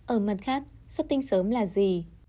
ở mặt khác xuất tinh sớm là gì